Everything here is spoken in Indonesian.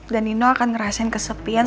dan nino akan ngerasain kesepian